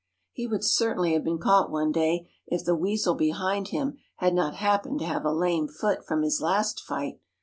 He would certainly have been caught one day if the weasel behind him had not happened to have a lame foot from his last fight.